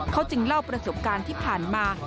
เขาจึงเล่าประสบการณ์ที่ผ่านมา